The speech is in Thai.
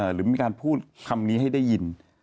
หรือมีการพูดคำนี้ให้ได้ยิน